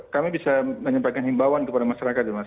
kami bisa menyampaikan himbawan kepada masyarakat